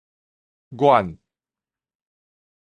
阮